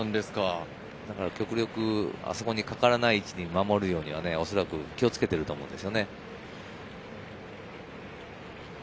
極力あそこにかからない位置に守るようにおそらく気をつけていると思います。